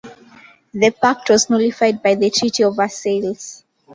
The pact was nullified by the Treaty of Versailles.